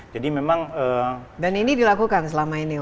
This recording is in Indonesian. dan ini dilakukan selama ini